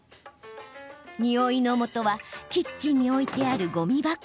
ニオイのもとはキッチンに置いてある、ごみ箱。